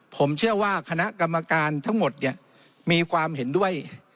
ผมเชื่อว่าคณะกรรมการทั้งหมดเนี่ยมีความเห็นด้วย